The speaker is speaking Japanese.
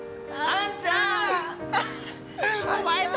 あんちゃん